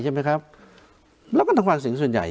ใช่ไหมครับเราก็ต้องฝาง์สิงสุดยาย